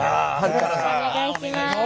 よろしくお願いします。